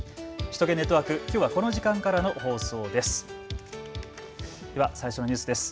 首都圏ネットワーク、きょうはこの時間からの放送です。